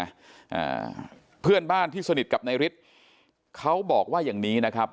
อ่าเพื่อนบ้านที่สนิทกับนายฤทธิ์เขาบอกว่าอย่างนี้นะครับ